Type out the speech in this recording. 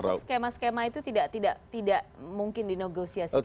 termasuk skema skema itu tidak mungkin dinegosiasikan lagi